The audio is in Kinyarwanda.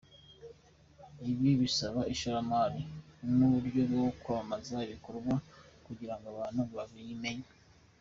Ibi bisaba ishoramari n’uburyo bwo kwamamaza ibikorwa kugira ngo abantu babimenye.